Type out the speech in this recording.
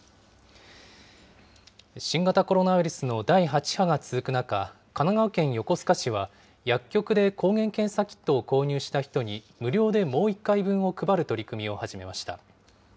新型コロナウイルスの第８波が続く中、神奈川県横須賀市は薬局で抗原検査キットを購入した人に、無料でもう一回分を配る取り組みを始めました。